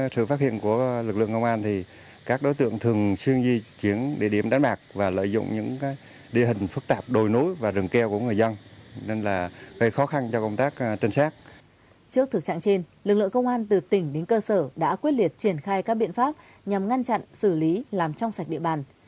trước thực trạng trên lực lượng công an từ tỉnh đến cơ sở đã quyết liệt triển khai các biện pháp nhằm ngăn chặn xử lý làm trong sạch địa bàn